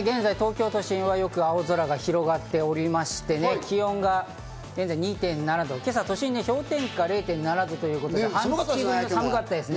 現在、東京都心は青空が広がっておりまして、気温が２．７度、今朝都心で氷点下０．７度ということでね、寒かったですね。